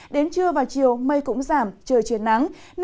đến trưa và chiều mây cũng giảm trời chuyển nắng